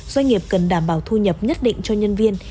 doanh nghiệp cần đảm bảo thu nhập nhất định cho nhân viên